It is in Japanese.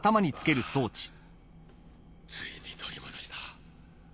ああついに取り戻した。